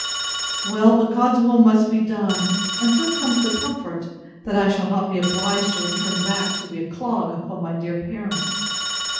Well, but God's will must be done!—And so comes the comfort, that I shall not be obliged to return back to be a clog upon my dear parents!